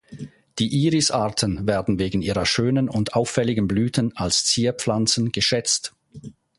Die "Iris"-Arten werden wegen ihrer schönen und auffälligen Blüten als Zierpflanzen geschätzt.